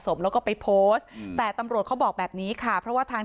ศพแล้วก็ไปโพสต์แต่ตำรวจเขาบอกแบบนี้ค่ะเพราะว่าทาง